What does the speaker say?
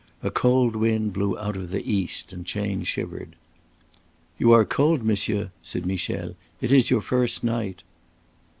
A cold wind blew out of the East and Chayne shivered. "You are cold, monsieur?" said Michel. "It is your first night."